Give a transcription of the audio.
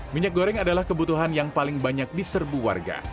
minyak goreng adalah kebutuhan yang paling banyak diserbu warga